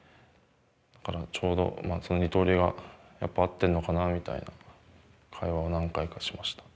だからちょうど二刀流が合ってんのかなみたいな会話を何回かしました。